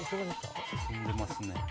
進んでますね。